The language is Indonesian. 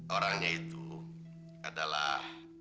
orangnya itu adalah